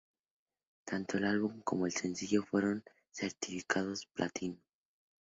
Tanto el álbum como el sencillo fueron certificados platino.